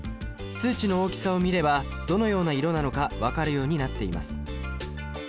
数値の大きさを見ればどのような色なのか分かるようになっています。